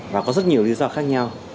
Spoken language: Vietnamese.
và có rất nhiều lý do khác nhau